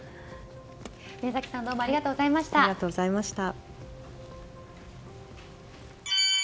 宮崎さんどうもありがとうございました。